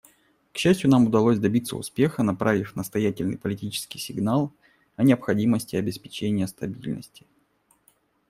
К счастью, нам удалось добиться успеха, направив настоятельный политический сигнал о необходимости обеспечения стабильности.